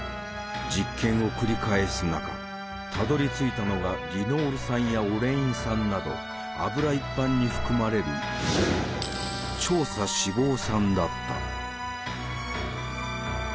実験を繰り返す中たどりついたのがリノール酸やオレイン酸など油一般に含まれる「長鎖脂肪酸」だった。